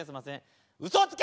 うそつけ！